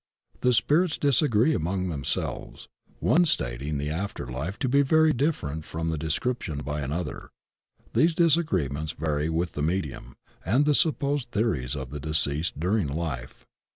The spirits disagree among themselves, one stating the after life to be very different from the de scription by another. These disagreements vary with the medium and the supposed theories of the deceased during life.